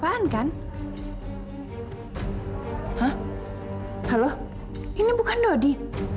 halo ini bukan dodi